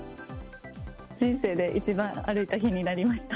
人生で一番歩いた日になりました。